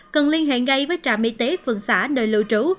cần liên hệ ngay với trạm y tế phường xã nơi lưu trú